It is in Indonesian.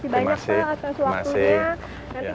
terima kasih banyak pak atas waktunya nanti